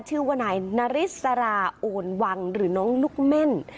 ชื่อว่านายนาริสราโอนวังหรือน้องลูกเม่น